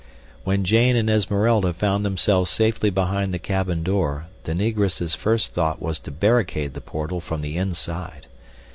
When Jane and Esmeralda found themselves safely behind the cabin door the Negress's first thought was to barricade the portal from the inside.